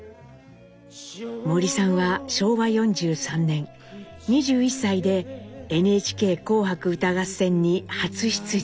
森さんは昭和４３年２１歳でＮＨＫ「紅白歌合戦」に初出場。